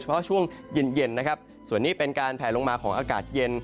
เพราะช่วงเย็นเย็นนะครับส่วนนี้เป็นการแผลลงมาของอากาศเย็น